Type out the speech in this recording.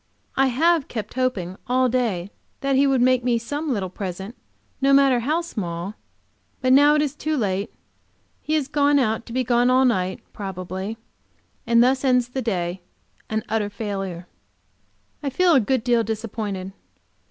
I have kept hoping all day that he would make me some little present, no matter how small, but now it is too late; he has gone out to be gone all night, probably, and thus ends the day, an utter failure. I feel a good deal disappointed.